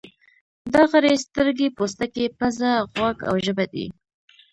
دا غړي سترګې، پوستکی، پزه، غوږ او ژبه دي.